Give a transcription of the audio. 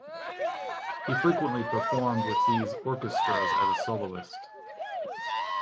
He frequently performed with these orchestras as a soloist.